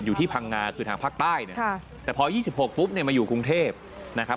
อยู่ที่พังงาคือทางภาคใต้เนี่ยแต่พอ๒๖ปุ๊บเนี่ยมาอยู่กรุงเทพนะครับ